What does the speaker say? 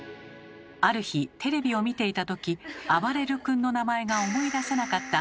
ある日テレビを見ていた時あばれる君の名前が思い出せなかった母。